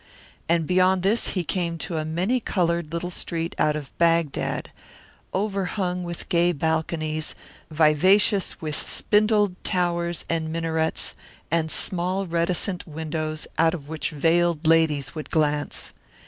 And beyond this he came to a many coloured little street out of Bagdad, overhung with gay balconies, vivacious with spindled towers and minarets, and small reticent windows, out of which veiled ladies would glance.